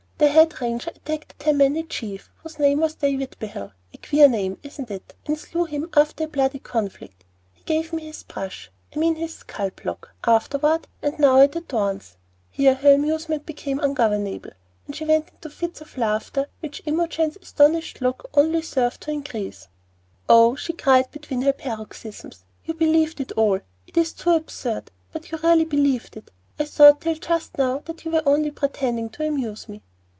"The Head Ranger attacked the Tammany chief, whose name was Day Vidbehill, a queer name, isn't it? and slew him after a bloody conflict. He gave me his brush, I mean his scalp lock, afterward, and it now adorns " Here her amusement became ungovernable, and she went into fits of laughter, which Imogen's astonished look only served to increase. "Oh!" she cried, between her paroxysms, "you believed it all! it is too absurd, but you really believed it! I thought till just now that you were only pretending, to amuse me."